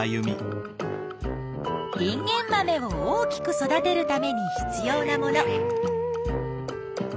インゲンマメを大きく育てるために必要なもの。